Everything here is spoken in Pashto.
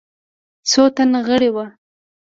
څو تنه غړي وه.